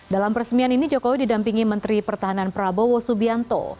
dalam peresmian ini jokowi didampingi menteri pertahanan prabowo subianto